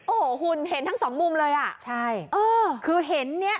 โอ้โหคุณเห็นทั้งสองมุมเลยอ่ะใช่เออคือเห็นเนี้ย